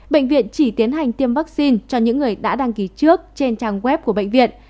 bệnh viện chỉ tiến hành tiêm vaccine cho những người đã đăng ký trước trên trang web của bệnh viện